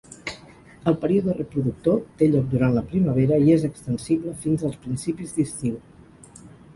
El període reproductor té lloc durant la primavera i és extensible fins als principis d'estiu.